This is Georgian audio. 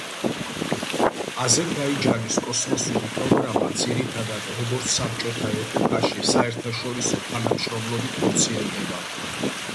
აზერბაიჯანის კოსმოსური პროგრამა, ძირითადად, როგორც საბჭოთა ეპოქაში, საერთაშორისო თანამშრომლობით ხორციელდება.